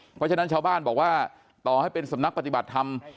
เพราะฉะนั้นชาวบ้านบอกว่าต่อให้เป็นสำนักปฏิบัติธรรม